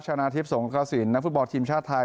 ชนะทิพย์สงกระสินนักฟุตบอลทีมชาติไทย